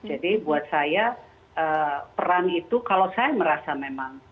jadi buat saya peran itu kalau saya merasa memang